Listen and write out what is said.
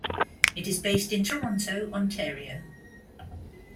It is based in Toronto, Ontario.